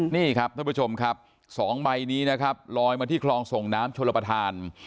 นี่ครับท่านผู้ชมครับ๒ใบนี้นะครับลอยมาที่คลองส่งน้ำชลประธาน